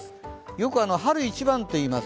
よく、春一番といいます。